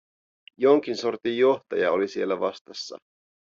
Jonkin sortin johtaja oli siellä vastassa.